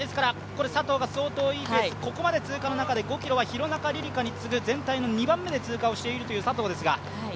佐藤が相当いいペース、ここまで通過の中で５ｋｍは廣中璃梨佳に次ぐ全体の２番目で通過をしている佐藤ですが？